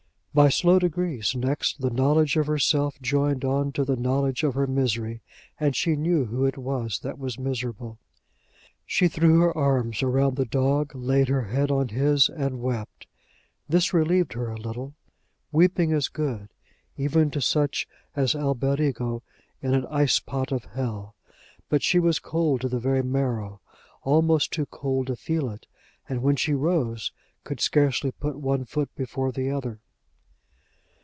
By slow degrees, next, the knowledge of herself joined on to the knowledge of her misery, and she knew who it was that was miserable. She threw her arms round the dog, laid her head on his, and wept. This relieved her a little: weeping is good, even to such as Alberigo in an ice pot of hell. But she was cold to the very marrow, almost too cold to feel it; and, when she rose, could scarcely put one foot before the other.